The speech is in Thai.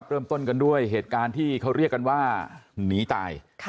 เริ่มต้นกันด้วยเหตุการณ์ที่เขาเรียกกันว่าหนีตาย